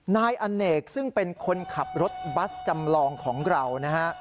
นายอเนกซึ่งเป็นคนขับรถบัสจำลองของเรานะฮะ